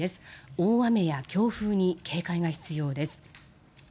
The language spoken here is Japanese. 大雨や強風に警戒が必要です。